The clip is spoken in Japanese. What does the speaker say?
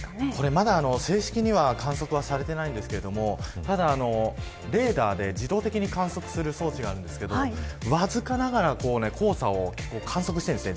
まだ正式には観測はされていないんですけれどもただレーダーで自動的に観測する装置があるんですがわずかながら黄砂を観測しています。